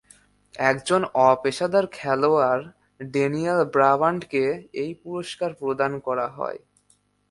একজন অপেশাদার খেলোয়াড় ড্যানিয়েল ব্রাবান্টকে এই পুরস্কার প্রদান করা হয়।